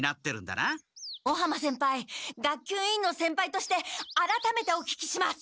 尾浜先輩学級委員の先輩としてあらためてお聞きします！